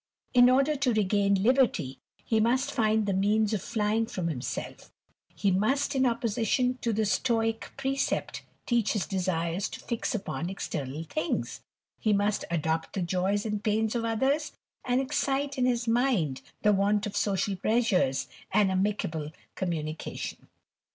In order ") regain liberty, he must find the means of flying from Winself; he must, in opposition to the Stoick piecept, teach ols desires to fix upon external things ; he must adopt the ]0y5 and the pains of others, and excite in his mind the *nit of social pleasures and amicable communication.